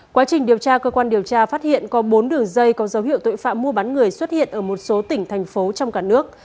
quá trình điều tra cơ quan điều tra phát hiện có bốn đường dây có dấu hiệu tội phạm mua bán người xuất hiện ở một số tỉnh thành phố trong cả nước